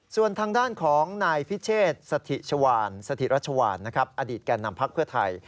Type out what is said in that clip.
ส่วนทางด้านของนายพิเชษสถิชวานสถิรัชวานอดีตแก่นำพักเพื่อไทย